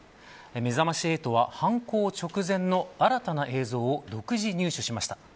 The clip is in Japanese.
めざまし８は、犯行直前の新たな映像を独自入手しました。